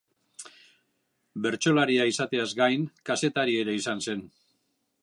Bertsolaria izateaz gain, kazetari ere izan zen.